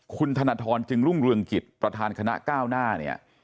คุณธนทรจึงรุ่งเรืองกิจประธานคณะก้าวหน้าเนี่ย